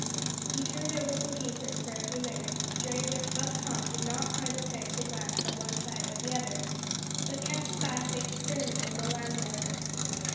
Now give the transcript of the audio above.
He turned over some papers for a few minutes, during which Buck Tom did not condescend to glance to one side or the other, but kept his eye fixed sternly on the landlord.